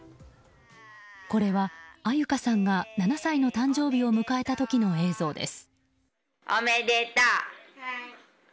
これは安優香さんが７歳の誕生日を迎えた時の映像です。